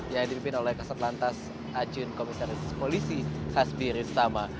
yang dipimpin oleh kasat lantas ajun komisaris polisi hasbi ristama